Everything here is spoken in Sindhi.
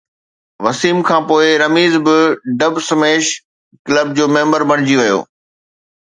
وسيم کانپوءِ رميز به ڊب سميش ڪلب جو ميمبر بڻجي ويو